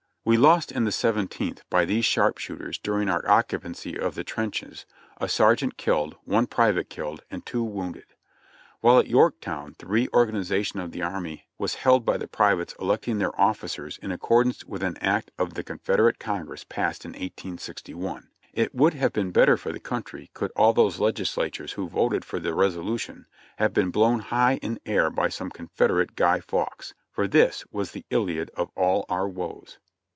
We lost in the Seventeenth, by these sharpshooters during our occupancy of the trenches, a sergeant killed, one private killed, and two wounded. While at Yorktown the reorganization of the army was held by the privates electing their officers in accordance with an act of the Confederate Congress passed in 1861. It would have been better for the country could all those legislators who voted for the resolution have been blown high in air by some Confederate "Guy Fawkes." For this was the "Iliad of all our woes."